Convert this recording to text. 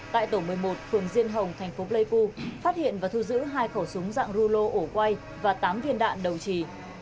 tại tổ một mươi một phường diên hồng thành phố pleiku phát hiện và thu giữ hai khẩu súng dạng rulo ổ quay và tám viên đạn đầu trì